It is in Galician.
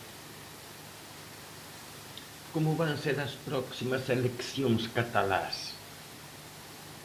Como van ser as próximas eleccións catalás?